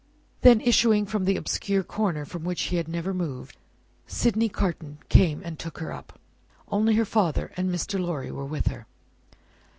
Then, issuing from the obscure corner from which he had never moved, Sydney Carton came and took her up. Only her father and Mr. Lorry were with her.